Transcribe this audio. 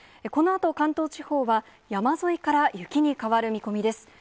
このあと関東地方は山沿いから雪に変わる見込みです。